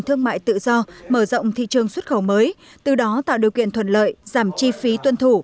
thương mại tự do mở rộng thị trường xuất khẩu mới từ đó tạo điều kiện thuận lợi giảm chi phí tuân thủ